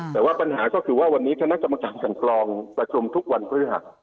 แต่ว่าปัญหาก็คือว่าวันนี้คณะกรรมการกันกรองประชุมทุกวันพฤหัส